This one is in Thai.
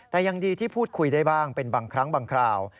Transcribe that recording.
แต่ยังดีที่พูดคุยได้บ้างเป็นบางครั้งบางคราว